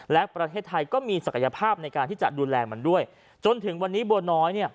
และประเทศไทยก็มีศักยภาพในการที่จะดูแลมันด้วยจนถึงวันนี้บัวน้อยเนี่ย